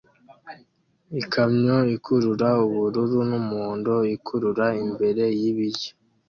Ikamyo ikurura ubururu n'umuhondo ikurura imbere y'ibiryo